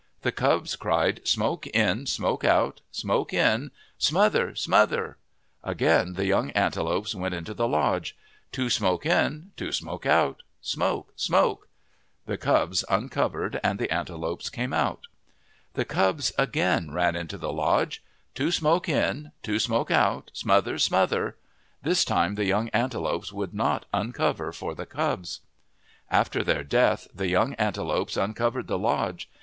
The cubs cried :" Smoke in, smoke out ; smoke in, ... smother, smother !' Again the young antelopes went into the lodge. " Two smoke in, two smoke out, ... smoke, smoke !' The cubs uncovered and the antelopes came out. The cubs again ran into the lodge. " Two smoke in, two smoke out, ... smother, smother !' This time the young antelopes would not uncover for the cubs. After their death the young antelopes uncovered the lodge.